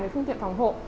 về phương tiện phòng hộ